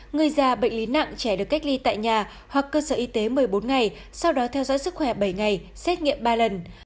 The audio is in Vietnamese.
người già bệnh lý nặng trẻ được cách ly tại nhà hoặc cơ sở y tế một mươi bốn ngày sau đó theo dõi sức khỏe bảy ngày xét nghiệm ba lần